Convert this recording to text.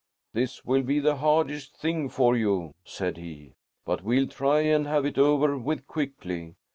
"This will be the hardest thing for you," said he, "but we'll try and have it over with quickly.